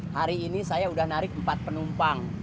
hari ini saya sudah narik empat penumpang